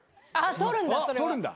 撮るんだそれを。